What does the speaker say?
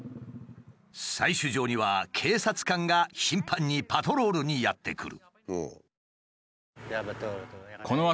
採取場には警察官が頻繁にパトロールにやって来る。